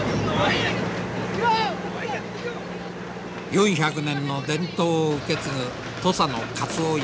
４００年の伝統を受け継ぐ土佐のカツオ一本づり。